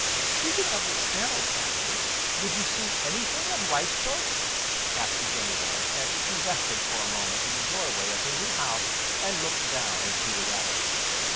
"Speaking of the sparrow family, did you see anything of Whitethroat?" asked Jenny Wren, as she rested for a moment in the doorway of her new house and looked down at Peter Rabbit.